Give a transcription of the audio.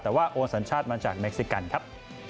แต่ว่าโอนสัญชาติมาจากเม็กซิกันครับ